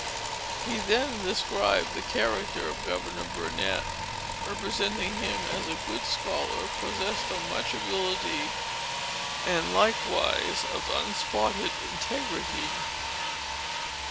He then described the character of Governor Burnet, representing him as a good scholar, possessed of much ability, and likewise of unspotted integrity.